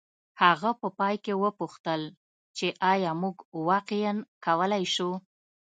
هغه په پای کې وپوښتل چې ایا موږ واقعیا کولی شو